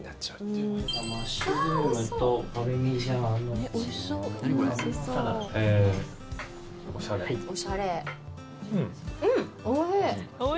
うん、おいしい！